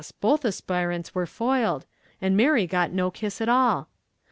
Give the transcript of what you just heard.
both aspirants were foiled, and Mary got no kiss at all.